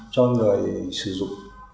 cho người sử dụng